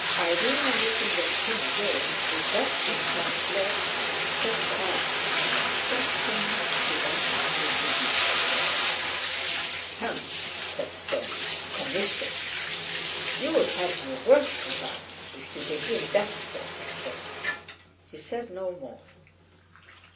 Irene, looking at him again with that intent look, said quietly: "Something he wanted me to do for him!" "Humph!" said Soames,—"Commissions!" "You'll have your work cut out if you begin that sort of thing!" He said no more.